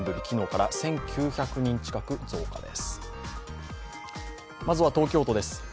昨日から１９００人近く増加です。